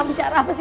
ini sudah jalannya